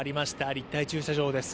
立体駐車場です。